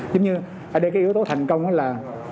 giống như ở đây cái yếu tố thành công là